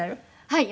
はい。